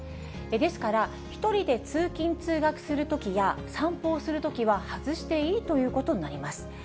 ですから、１人で通勤・通学するときや、散歩をするときは外していいということになります。